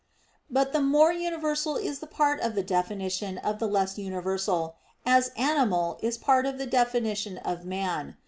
But the more universal is part of the definition of the less universal, as "animal" is part of the definition of "man."